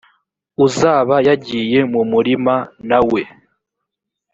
uzaba yagiye mu murima na we